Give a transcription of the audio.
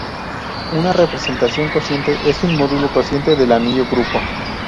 Una representación cociente es un módulo cociente del anillo grupo.